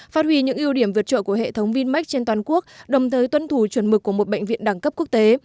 phát huy những ưu điểm vượt trội của hệ thống vinmec trên toàn quốc đồng thời tuân thủ chuẩn mực của một bệnh viện đẳng cấp quốc tế